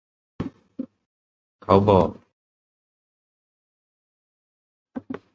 เขาบอก